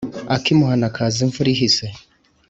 Ak’imuhana kaza imvura ihise.